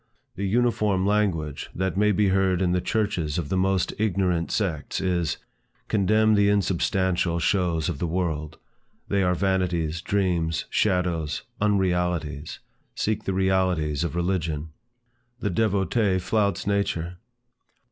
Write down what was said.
The uniform language that may be heard in the churches of the most ignorant sects, is, "Contemn the unsubstantial shows of the world; they are vanities, dreams, shadows, unrealities; seek the realities of religion." The devotee flouts nature.